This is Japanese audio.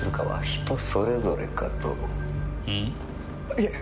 いえ